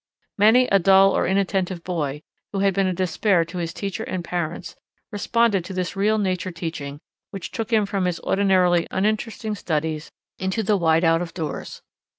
Many a dull or inattentive boy, who had been a despair to his teacher and parents, responded to this real nature teaching which took him from his ordinarily uninteresting studies into the wide out of doors.